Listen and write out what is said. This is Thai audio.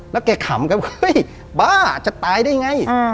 แล้วแกขำกันเฮ้ยบ้าจะตายได้ไง